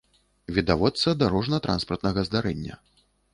відавочца дарожна-транспартнага здарэння